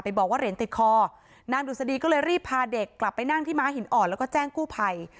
บอกว่าเหรียญติดคอนางดุษฎีก็เลยรีบพาเด็กกลับไปนั่งที่ม้าหินอ่อนแล้วก็แจ้งกู้ภัย